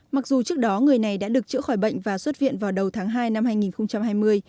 mặc dù trước đó người này đã được chữa khỏi bệnh và xuất viện vào đầu tháng hai năm hai nghìn hai mươi